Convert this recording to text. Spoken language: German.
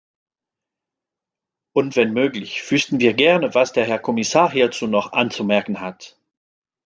Und, wenn möglich, wüßten wir gerne, was der Herr Kommissar hierzu noch anzumerken hat.